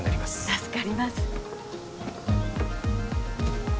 助かります